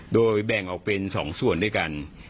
โดยแบ่งออกเป็น๒ส่วนด้วยกัน